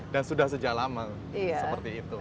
dan sudah sejauh lama seperti itu